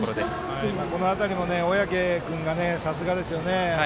この辺りの小宅君がさすがですよね。